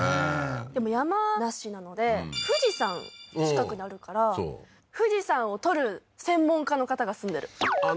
でも山梨なので富士山近くにあるからそう富士山を撮る専門家の方が住んでるあっ